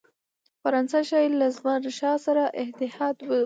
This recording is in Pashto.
فرانسه ښايي له زمانشاه سره اتحاد وکړي.